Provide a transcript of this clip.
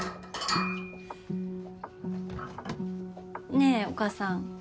ねえお母さん。